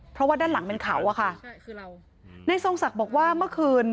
เพราะว่าด้านหลังเป็นเขาอะค่ะนายทรงศักดิ์บอกว่าเมื่อคืน